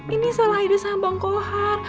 ini salah aida sama bang kohar